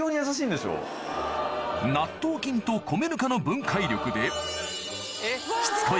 納豆菌と米ぬかの分解力でしつこい